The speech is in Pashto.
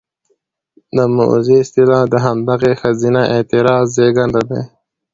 د موذي اصطلاح د همدغې ښځينه اعتراض زېږنده دى: